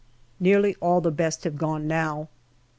Nearly all the best have gone now.